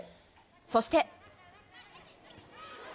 そして。